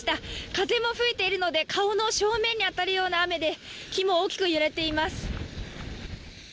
風も吹いているので顔の正面に当たるような雨で木も大きく揺れています。